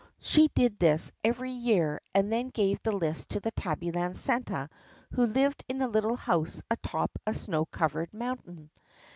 She did this every year and then gave the list to the Tabbyland Santa who lived in a little house atop a snow covered mountain.